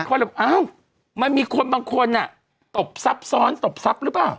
เขาเรียกว่าอ้าวมันมีคนบางคนน่ะตบซับซ้อนตบซับรึเปล่า